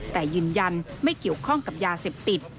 แต่ยืนยันไม่เกี่ยวข้องกับยาเสพติด